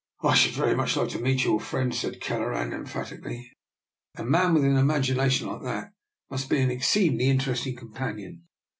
" I should very much like to meet your friend," said Kelleran emphatically. A man with an imagination like that must be an ex ceedingly interesting companion.